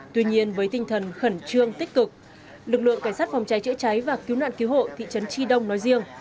tuy nhiên với tinh thần khẩn trương tích cực lực lượng cảnh sát phòng cháy chữa cháy và cứu nạn cứu hộ thị trấn tri đông nói riêng